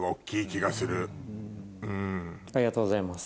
「ありがとうございます」。